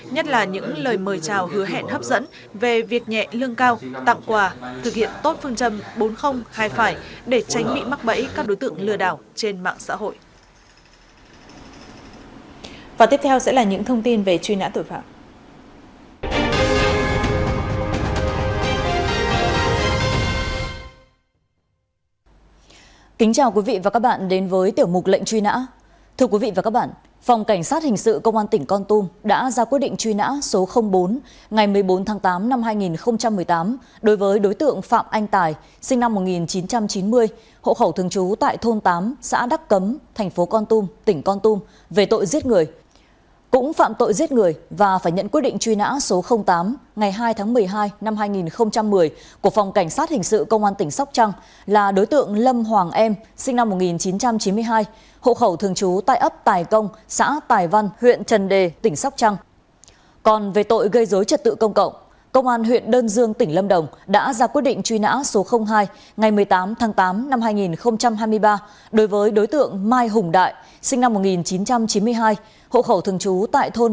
nhất là những lời mời chào hứa hẹn hấp dẫn về việc nhẹ lương cao tặng quà thực hiện tốt phương châm bốn hai năm để tránh bị mắc bẫy các đối tượng lừa đảo trên mạng xã hội